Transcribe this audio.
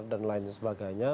dan lain sebagainya